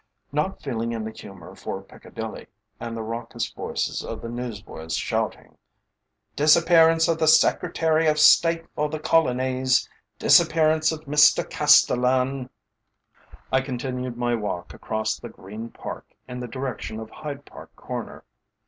Not feeling in the humour for Piccadilly, and the raucous voices of the newsboys shouting "DISAPPEARANCE OF THE SECRETARY OF STATE FOR THE COLONIES: DISAPPEARANCE OF MR CASTELLAN!" I continued my walk across the green Park in the direction of Hyde Park Corner.